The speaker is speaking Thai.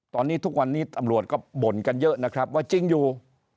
ตอนนี้ทุกวันนี้ตำรวจก็บ่นกันเยอะนะครับว่าจริงอยู่